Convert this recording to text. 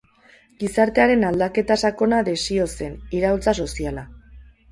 Gizartearen aldaketa sakona desio zen, iraultza soziala.